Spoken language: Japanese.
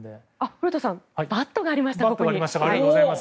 古田さんバットがありました。